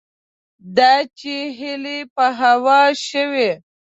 دا چې هیلې په هوا شوې